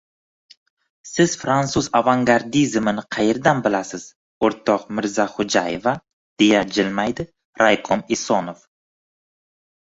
— Siz frantsuz avangardizmini qaerdan bilasiz, o‘rtoq Mirzaxo‘jaeva? — deya jilmaydi raykom Esonov.